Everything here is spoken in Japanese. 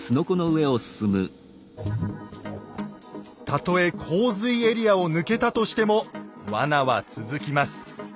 たとえ洪水エリアを抜けたとしても罠は続きます。